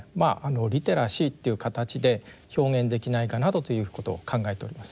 リテラシーという形で表現できないかなどということを考えております。